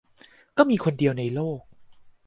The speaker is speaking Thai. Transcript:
ก็มีคนเดียวในโลก